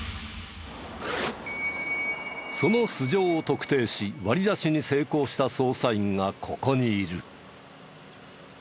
その素性を特定し割り出しに成功した捜査員がここにいる。